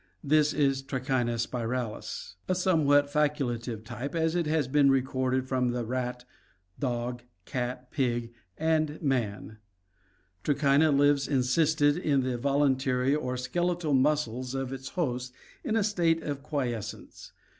This is Trichina spiralis, a somewhat facultative type, as it has been recorded from the rat, dog, cat, pig, and man. Trichina (see Fig. 43) lives encysted in the voluntary or skeletal muscles of its host in a state of quiescence.